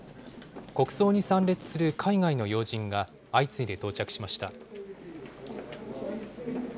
国葬に参列する海外の要人が相次いで到着しました。